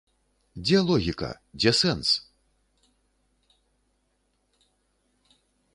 Дзе логіка, дзе сэнс?